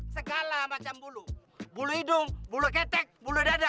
segala macam bulu bulu hidung bulu ketek bulu dada